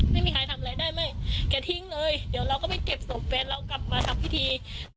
ไม่มีใครทำอะไรได้ไม่แกทิ้งเลยเดี๋ยวเราก็ไปเก็บศพแฟนเรากลับมาทำพิธี